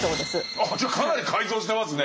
あじゃあかなり改造してますね？